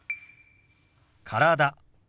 「体」。